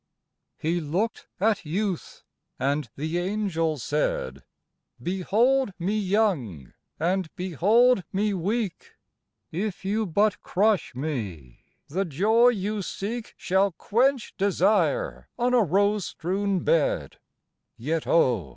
He looked at Youth, and the Angel said: "Behold me young, and behold me weak; If you but crush me, the joy you seek Shall quench desire on a rose strewn bed, "Yet oh!